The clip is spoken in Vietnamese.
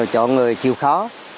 chọn người chịu khó